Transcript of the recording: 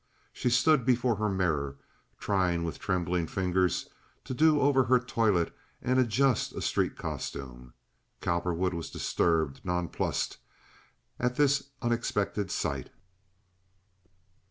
She stood before her mirror trying with trembling fingers to do over her toilet and adjust a street costume. Cowperwood was disturbed, nonplussed at this unexpected sight.